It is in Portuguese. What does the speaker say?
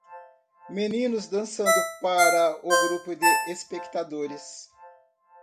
Meninos dançando para o grupo de espectadores.